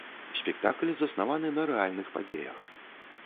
Спектакль заснаваны на рэальных падзеях.